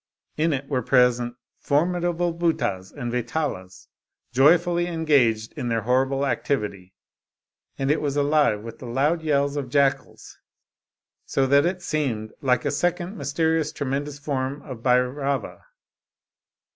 In it were present formidable Bh6tas and Vetalas, joyfully engaged in their horrible ac tivity, and it was alive with the loud yells of jackals, so that it seemed like a second mysterious tremendous form of Bhairava.